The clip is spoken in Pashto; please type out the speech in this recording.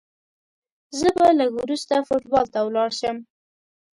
زه به لږ وروسته فوټبال ته ولاړ سم.